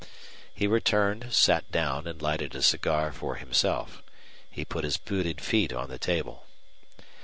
He returned, sat down, and lighted a cigar for himself. He put his booted feet on the table.